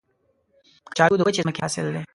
کچالو د وچې ځمکې حاصل دی